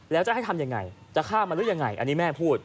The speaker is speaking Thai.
แล้วจะให้ทำยังไงจะฆ่ามันหรือยังไงอันนี้แม่พูด